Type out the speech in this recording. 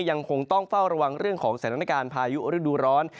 ยังคงต้องเฝ้าระวังเรื่องของสถานการณ์พายุฤดูร้อน